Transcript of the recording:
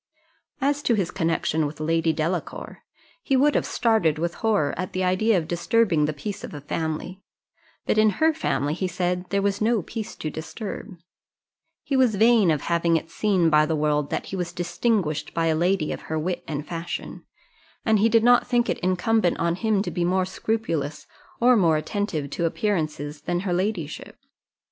As to his connexion with Lady Delacour, he would have started with horror at the idea of disturbing the peace of a family; but in her family, he said, there was no peace to disturb; he was vain of having it seen by the world that he was distinguished by a lady of her wit and fashion, and he did not think it incumbent on him to be more scrupulous or more attentive to appearances than her ladyship.